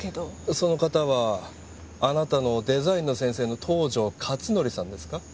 その方はあなたのデザインの先生の東条克典さんですか？